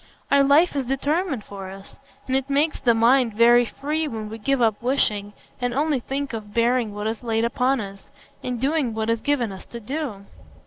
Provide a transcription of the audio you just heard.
Our life is determined for us; and it makes the mind very free when we give up wishing, and only think of bearing what is laid upon us, and doing what is given us to do."